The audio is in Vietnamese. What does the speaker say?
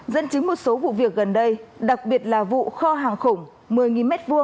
dẫn chứng một số vụ việc gần đây đặc biệt là vụ kho hàng khủng một mươi m hai